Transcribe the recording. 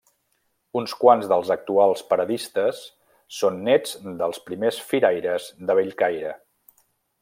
Uns quants dels actuals paradistes són néts dels primers firaires de Bellcaire.